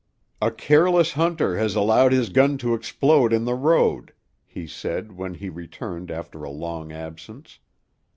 "A careless hunter has allowed his gun to explode in the road," he said, when he returned after a long absence.